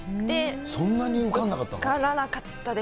そんなに受かんなかったの？